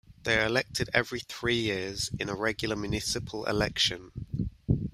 They are elected every three years, in the regular municipal election.